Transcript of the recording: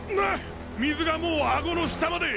水がもうアゴの下まで。